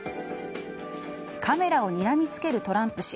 カメラをにらみつけるトランプ氏。